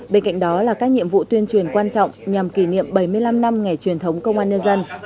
bên cạnh đó là các nhiệm vụ tuyên truyền quan trọng nhằm kỷ niệm bảy mươi năm năm ngày truyền thống công an nhân dân